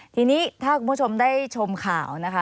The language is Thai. ทีนี้ถ้าคุณผู้ชมได้ชมข่าวนะคะ